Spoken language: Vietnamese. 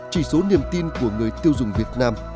chỉ số niềm tin của người tiêu dùng việt nam